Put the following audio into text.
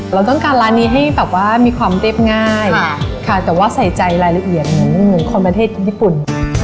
เราต้องการร้านนี้ให้แบบว่ามีความเรียบง่ายค่ะแต่ว่าใส่ใจรายละเอียดเหมือนคนประเทศญี่ปุ่น